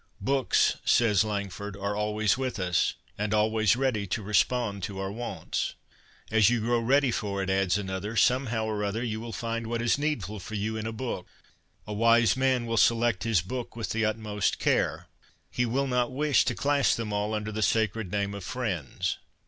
' Books/ says Langford, ' are always with us, and always ready to respond to our wants.' ' As you grow ready for it/ adds another, 'somehow or other you will find what is needful for you in a book/ A wise man will select his book with the utmost care. ' He will not wish to class them all under the sacred name of friends.'